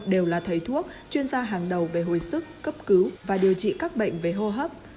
đều là thầy thuốc chuyên gia hàng đầu về hồi sức cấp cứu và điều trị các bệnh về hô hấp